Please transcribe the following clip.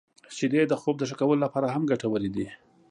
• شیدې د خوب د ښه کولو لپاره هم ګټورې دي.